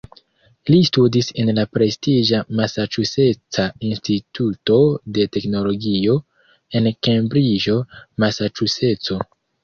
Li studis en la prestiĝa "Masaĉuseca Instituto de Teknologio" en Kembriĝo, Masaĉuseco.